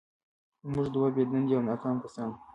موږ دوه بې دندې او ناکام کسان وو